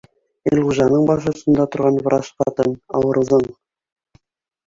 Илғужаның баш осонда торған врач ҡатын, ауырыуҙың